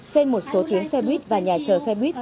trên một số tuyến xe buýt và nhà chờ xe buýt